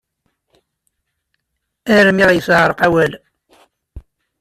Armi ɣ-yeɛreq wawal.